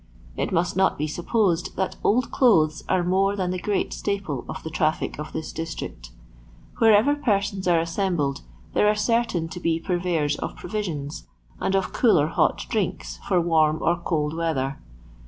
It must not be supposed that old clothes are more than the great staple of the traffic of this district. Wherever persons are assembled there are certain to be purveyors of provisions and of cool or hot drinks for warm or cold weather.